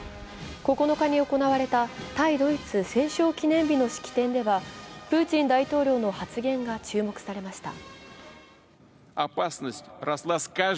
９日に行われた対ドイツ戦勝記念日の式典ではプーチン大統領の発言が注目されました。